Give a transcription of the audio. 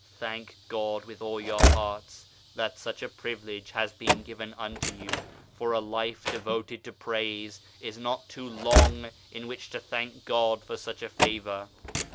Thank God with all your hearts that such a privilege has been given unto you. For a life devoted to praise is not too long in which to thank God for such a favour.